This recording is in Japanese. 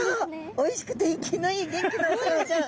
おいしくて生きのいい元気なお魚ちゃん！